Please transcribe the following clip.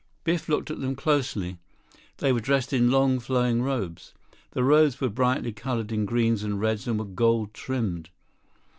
Biff looked at them closely. They were dressed in long, flowing robes. The robes were brightly colored in greens and reds and were gold trimmed.